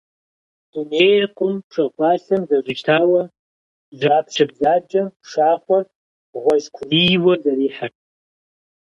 Дунейр къум пшахъуалъэм зэщӀищтауэ, жьапщэ бзаджэм пшахъуэр гъуэжькурийуэ зэрихьэрт.